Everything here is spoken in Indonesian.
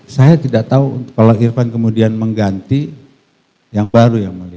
saya tidak tahu kalau irfan kemudian mengganti yang baru yang mulia